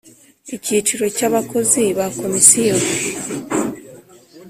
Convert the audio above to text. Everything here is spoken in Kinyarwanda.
Icyiciro cya Abakozi ba Komisiyo